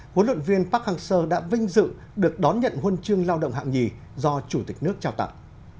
huấn luyện viên park hang seo đã vinh dự được đón nhận huân chương lao động hạng nhì do chủ tịch nước trao tặng